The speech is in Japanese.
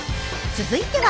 続いては